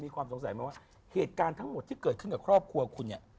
ความสงสัยไหมว่าเหตุการณ์ทั้งหมดที่เกิดขึ้นกับครอบครัวคุณเนี่ย